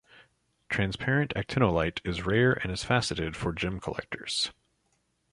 Transparent actinolite is rare and is faceted for gem collectors.